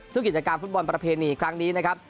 ซึ่งกิจกรรมฟุตบอลประเพณีครั้งนี้นะครับ